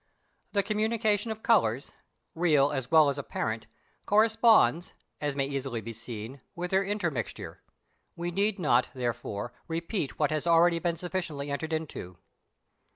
The communication of colours, real as well as apparent, corresponds, as may easily be seen, with their intermixture: we need not, therefore, repeat what has been already sufficiently entered into.